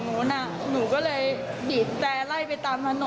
หนูบอกว่าหนูไปไม่ได้เพราะว่ารถมันติดมากค่ะ